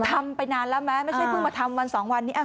ทำไปนานแล้วไหม